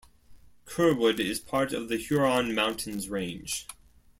Curwood is a part of the Huron Mountains range.